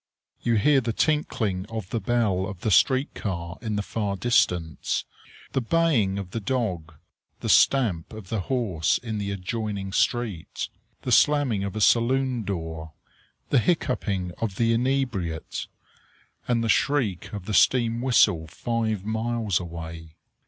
You hear the tinkling of the bell of the street car in the far distance; the baying of the dog; the stamp of the horse in the adjoining street; the slamming of a saloon door; the hiccoughing of the inebriate; and the shriek of the steam whistle five miles away.